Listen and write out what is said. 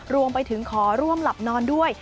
รวมไปถึงขอร่วมหลับนอนด้วย